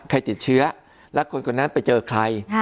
ใครติดเชื้อแล้วคนคนนั้นไปเจอใคร